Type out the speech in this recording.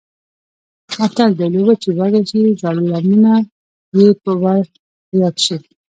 متل دی: لېوه چې وږی شي زاړه لمونه یې ور په یاد شي.